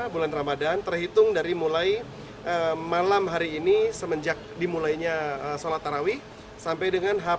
bulan ramadhan terhitung dari mulai malam hari ini semenjak dimulainya sholat tarawih sampai dengan h tiga